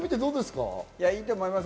いいと思います。